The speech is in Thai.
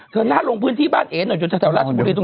เธอน่ะรงพื้นที่บ้านเองหน่วย้นแถวอยู่ตรงนี่เอง